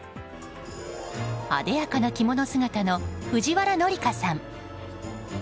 あでやかな着物姿の藤原紀香さん。